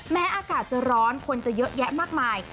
อากาศจะร้อนคนจะเยอะแยะมากมาย